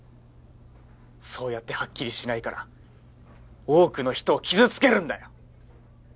そうやってはっきりしないから多くの人を傷つけるんだよ！